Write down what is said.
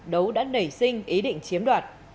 đấu đã nảy sinh ý định chiếm đoạt